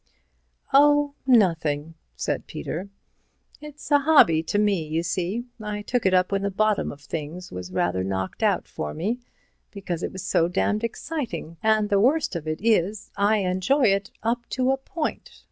"Oh, nothing," said Peter. "It's a hobby to me, you see. I took it up when the bottom of things was rather knocked out for me, because it was so damned exciting, and the worst of it is, I enjoy it—up to a point.